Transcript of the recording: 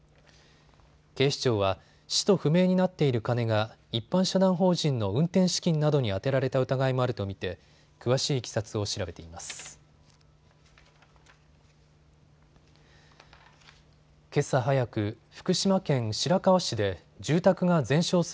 警視庁は使途不明になっている金が一般社団法人の運転資金などに充てられた疑いもあると見て詳しいいきさつを調べています。